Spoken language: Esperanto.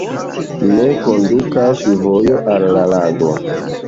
Ne kondukas vojo al la lago.